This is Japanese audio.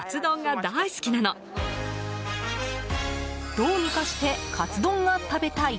どうにかしてカツ丼が食べたい。